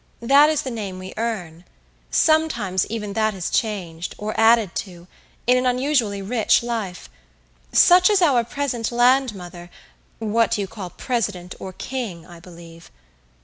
That is the name we earn. Sometimes even that is changed, or added to, in an unusually rich life. Such as our present Land Mother what you call president or king, I believe.